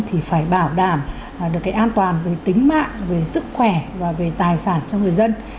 thì phải bảo đảm được cái an toàn về tính mạng về sức khỏe và về tài sản cho người dân